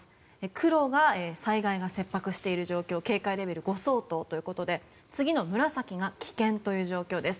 黒が災害が切迫している状況警戒レベル５相当ということで次の紫が、危険という状況です。